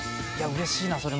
うれしいなそれ。